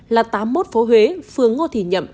là tám mươi một phố huế phường ngô thị nhậm